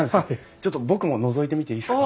ちょっと僕ものぞいてみていいですか？